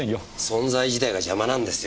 存在自体が邪魔なんですよ。